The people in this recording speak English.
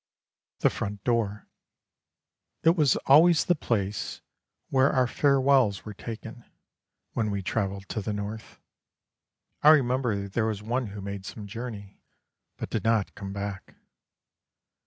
THE FRONT DOOR It was always the place where our farewells were taken, When we travelled to the north. I remember there was one who made some journey, But did not come back.